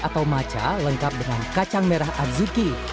atau maca lengkap dengan kacang merah adzuki